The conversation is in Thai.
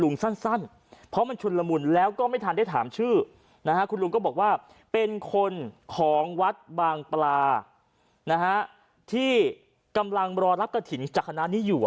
ลุงสั้นเพราะมันชนละหมุนแล้วก็ไม่ทันนี้ถามชื่อนะผู้มก็บอกว่าเป็นคนของวัดบางปลานะฮะที่กำลังรอรับกระถิ่น